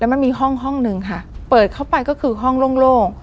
มันมีห้องห้องหนึ่งค่ะเปิดเข้าไปก็คือห้องโล่ง